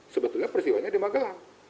sebetulnya persiwanya dimagelang